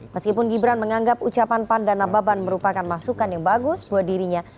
meskipun gibran menganggap ucapan panda nababan merupakan masukan yang bagus buat dirinya